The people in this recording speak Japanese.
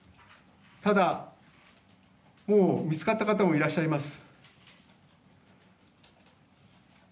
ただ、もう見つかった方もいらっしゃいます。